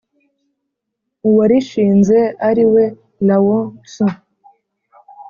uwarishinze ari we lao-tzu